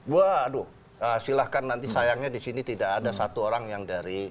waduh silahkan nanti sayangnya di sini tidak ada satu orang yang dari